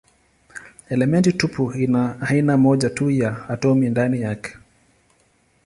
Elementi tupu ina aina moja tu ya atomi ndani yake.